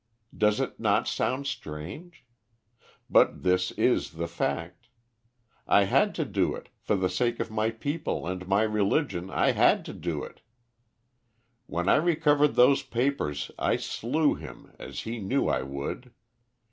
Does it not sound strange? But this is the fact. I had to do it for the sake of my people and my religion I had to do it. When I recovered those papers I slew him as he knew I would.